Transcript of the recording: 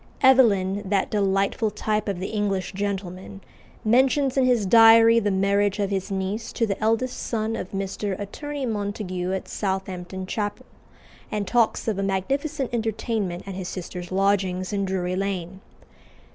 Evelyn, that delightful type of the English gentleman, mentions in his Diary the marriage of his niece to the eldest son of Mr. Attorney Montague at Southampton Chapel, and talks of a magnificent entertainment at his sister's "lodgings" in Drury Lane.